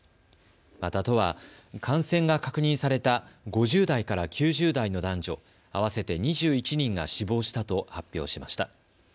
また、都は感染が確認された５０代から９０代の男女合わせて２１人が死亡したと発表しました。